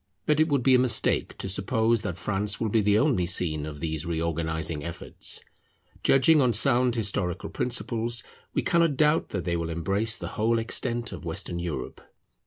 But it would be a mistake to suppose that France will be the only scene of these reorganizing efforts. Judging on sound historical principles, we cannot doubt that they will embrace the whole extent of Western Europe.